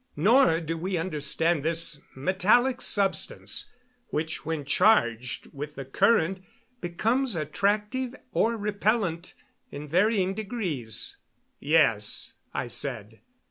Nor do we understand this metallic substance which when charged with the current becomes attractive or repellent in varying degrees." "Yes," I said.